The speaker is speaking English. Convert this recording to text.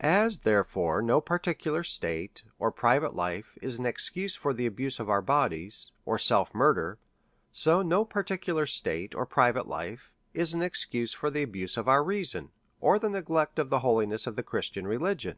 As, therefore, no particular state or private life is an excuse for the abuse of our bodies or self murder, so no particular state or private life is an excuse for the abuse of our reason, or the neglect of the holiness of the Christian religion.